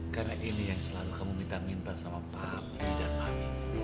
karena ini yang selalu kamu minta minta sama pamu dan pamim